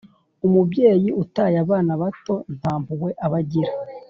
umubyeyi utaye abana bato ntampuhwe aba agira